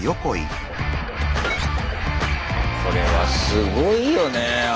これはスゴいよね